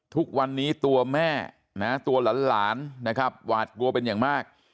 ทุกวันนี้ตัวแม่นะตัวหลานนะครับหวาดกลัวเป็นอย่างมาก